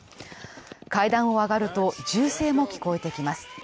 階段を上がると、銃声も聞こえてきます。